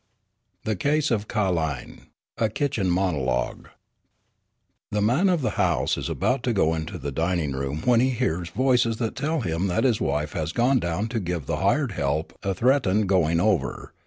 THE CASE OF 'CA'LINE' A KITCHEN MONOLOGUE The man of the house is about to go into the dining room when he hears voices that tell him that his wife has gone down to give the "hired help" a threatened going over.